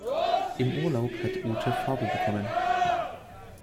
Im Urlaub hat Ute Farbe bekommen.